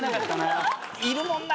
いるもんな！